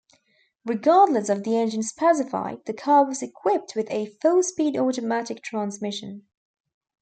Regardless of the engine specified, the car was equipped with a four-speed automatic transmission.